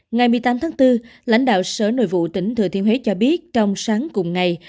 ngày một mươi tám tháng bốn lãnh đạo sở nội vụ tỉnh thừa thiên huế cho biết trong sáng cùng ngày